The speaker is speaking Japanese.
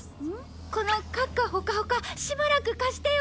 このカッカホカホカしばらく貸してよ。